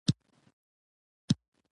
موږ به خپل هدف ته رسېږو.